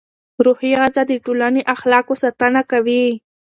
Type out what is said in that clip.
روحي غذا د ټولنې اخلاقو ساتنه کوي.